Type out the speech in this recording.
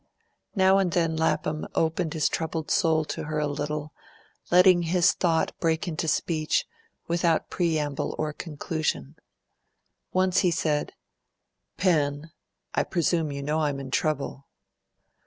Now and then Lapham opened his troubled soul to her a little, letting his thought break into speech without preamble or conclusion. Once he said "Pen, I presume you know I'm in trouble."